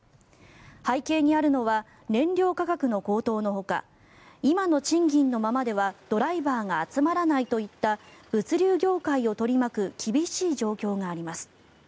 背景にあるのは燃料価格の高騰のほか今の賃金のままではドライバーが集まらないといった物流業界を取り巻く厳しい状況があります。